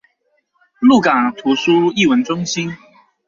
鹿港圖書藝文中心